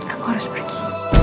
aku harus pergi